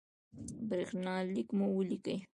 برېښنالک مو ولیکئ